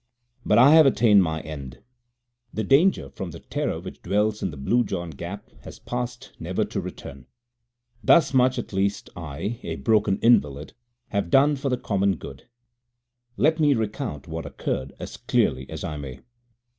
But I have attained my end. The danger from the Terror which dwells in the Blue John Gap has passed never to return. Thus much at least I, a broken invalid, have done for the common good. Let me now recount what occurred as clearly as I may.